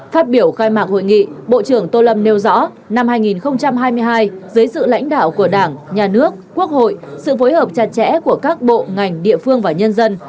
phát biểu khai mạc hội nghị bộ trưởng tô lâm nêu rõ năm hai nghìn hai mươi hai dưới sự lãnh đạo của đảng nhà nước quốc hội sự phối hợp chặt chẽ của các bộ ngành địa phương và nhân dân